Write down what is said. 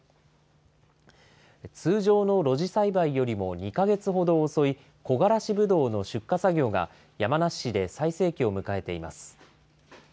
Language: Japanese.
通常の露地栽培よりも２か月ほど遅い、こがらしぶどうの出荷作業が、山梨市で最盛期を迎えています。